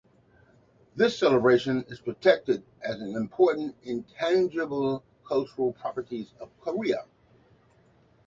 This celebration is protected as an Important Intangible Cultural Properties of Korea.